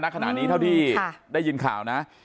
ขณะนี้เท่าที่ได้ยินข่าวนะ